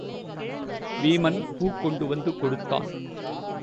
வீமன் பூ கொண்டு வந்து கொடுத்தான்.